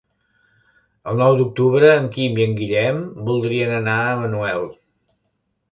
El nou d'octubre en Quim i en Guillem voldrien anar a Manuel.